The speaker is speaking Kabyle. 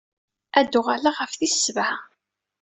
Ad d-uɣaleɣ ɣef tis sebɛa.